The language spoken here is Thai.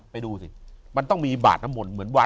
ไปดูสิมันต้องมีบาดน้ำมนต์เหมือนวัด